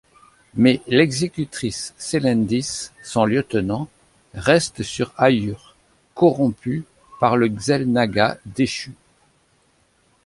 Mais l’exécutrice Sélendis, son lieutenant, reste sur Aïur, corrompue par le Xel’Naga Déchu.